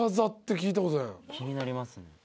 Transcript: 気になりますね。